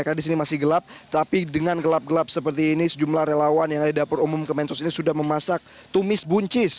karena di sini masih gelap tapi dengan gelap gelap seperti ini sejumlah relawan yang ada di dapur umum kemensos ini sudah memasak tumis buncis